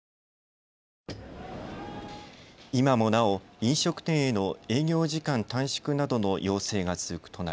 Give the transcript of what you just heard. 飲食店への営業時間短縮などの要請が続く都内。